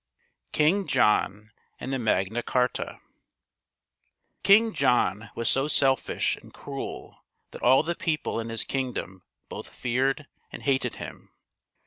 KING JOHN AND THE MAGNA CHARTA King John was so selfish and cruel that all the people in his kingdom both feared and hated him.